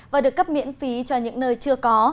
và được cấp miễn phí cho những nơi chưa có